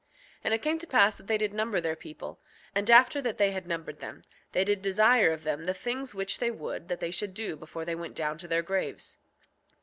6:21 And it came to pass that they did number their people; and after that they had numbered them, they did desire of them the things which they would that they should do before they went down to their graves.